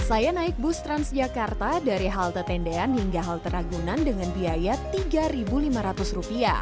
saya naik bus transjakarta dari halte tendean hingga halte ragunan dengan biaya rp tiga lima ratus